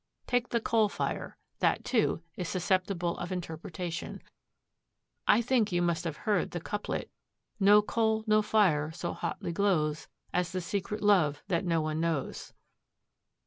Take the coal fire. That, too, is susceptible of interpretation. I think you must have heard the couplet: "'No coal, no fire so hotly glows As the secret love that no one knows.'"